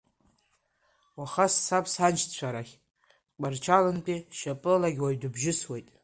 Уаха сцап саншьцәарахь, Тҟәарчалнтәи шьапылагь уаҩ дыбжьысуеит.